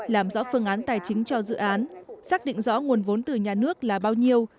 làm rõ phương án tài chính cho dự án xác định rõ nguồn vốn từ nhà nước là bao nhiêu